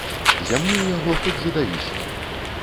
Зямлі ў яго хоць задавіся.